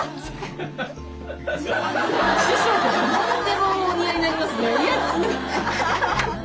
師匠って何でもお似合いになりますね。